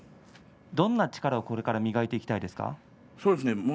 どんな力を、これから磨いていきたいですか？